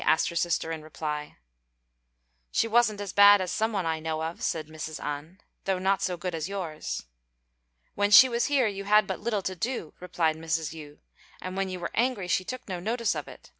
asked her sister in reply. "She wasn't as bad as some one I know of," said Mrs. An, "though not so good as yours." "When she was here you had but little to do," replied Mrs. Yü; "and when you were angry she took no notice of it.